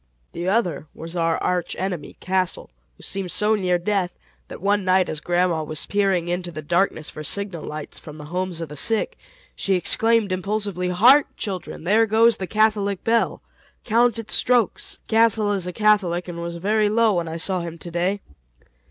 The other was our arch enemy, Castle, who seemed so near death that one night as grandma was peering into the darkness for signal lights from the homes of the sick, she exclaimed impulsively, "Hark, children! there goes the Catholic bell. Count its strokes. Castle is a Catholic, and was very low when I saw him to day."